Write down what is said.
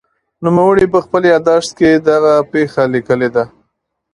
نوموړي په خپل یادښت کې دا پېښه لیکلې ده.